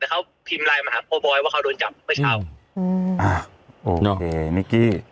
แต่เขาพิมพ์ไลน์มาหาพ่อบอยว่าเขาโดนจับเมื่อเช้าอืมอ่าโอเคนิกกี้